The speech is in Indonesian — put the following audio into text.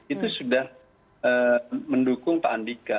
itu sudah mendukung pak andika